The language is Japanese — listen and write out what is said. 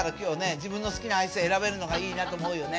自分の好きなアイス選べるのがいいなって思うよね